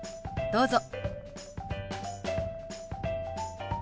どうぞ。